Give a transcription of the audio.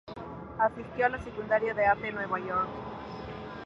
Asistió a la Secundaria de Arte en Nueva York.